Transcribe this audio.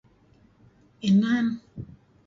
Inan.